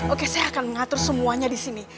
oke saya akan mengatur semuanya di sini